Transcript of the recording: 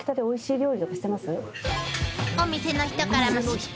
おいしい。